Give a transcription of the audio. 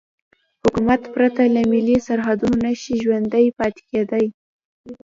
حکومت پرته له ملي سرحدونو نشي ژوندی پاتې کېدای.